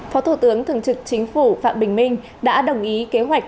phó thủ tướng thường trực chính phủ phạm bình minh đã đồng ý kế hoạch